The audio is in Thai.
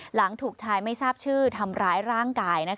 หลังถูกชายไม่ทราบชื่อทำร้ายร่างกาย